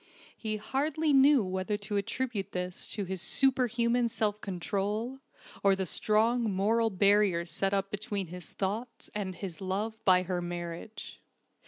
He hardly knew whether to attribute this to his superhuman self control, or the strong moral barrier set up between his thoughts and his love by her marriage.